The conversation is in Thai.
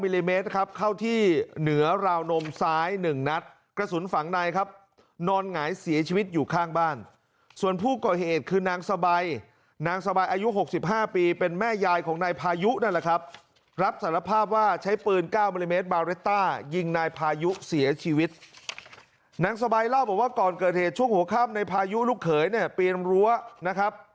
เข้าที่เหนือราวนมซ้าย๑นัดกระสุนฝังในครับนอนหงายเสียชีวิตอยู่ข้างบ้านส่วนผู้ก่อเหตุคือนางสบายนางสบายอายุ๖๕ปีเป็นแม่ยายของนายพายุนั่นแหละครับรับสารภาพว่าใช้ปืน๙มิลลิเมตรบาเรตต้ายิงนายพายุเสียชีวิตนางสบายเล่าบอกว่าก่อนเกิดเหตุช่วงหัวค่ำในพายุลูกเขยเนี่ยปีนรั้วนะครับ